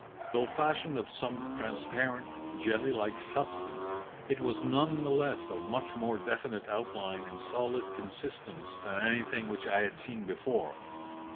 Though fashioned of some transparent, jelly like substance, it was none the less of much more definite outline and solid consistence than anything which I had seen before.